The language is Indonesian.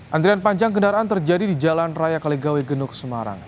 antrian panjang kendaraan terjadi di jalan raya kaligawe genuk semarang